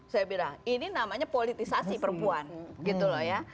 saya bilang ini namanya politisasi perempuan gitu loh ya